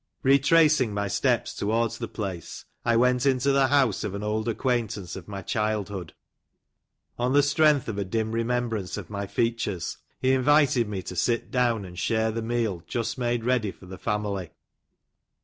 Retracing my steps towards the place, 1 went into the house of an old acquaintance of my childhood. On the strength of a dim remembrance of my features, he invited me to sit down and share the meal just made ready for the family.